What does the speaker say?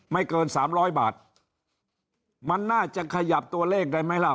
เกินสามร้อยบาทมันน่าจะขยับตัวเลขได้ไหมล่ะ